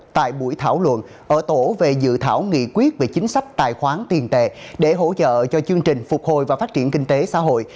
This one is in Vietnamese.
tại buổi thảo luận ở tổ về dự thảo nghị quyết về chính sách tài khoán tiền tệ để hỗ trợ cho chương trình phục hồi và phát triển kinh tế xã hội